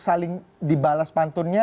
saling dibalas pantunnya